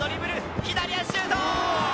左足、シュート！